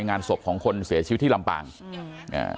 งานศพของคนเสียชีวิตที่ลำปางอืมอ่า